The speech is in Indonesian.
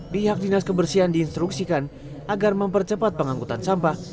pihak dinas kebersihan diinstruksikan agar mempercepat pengangkutan sampah